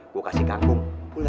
gue kasih ganggung